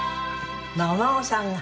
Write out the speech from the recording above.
お孫さんが。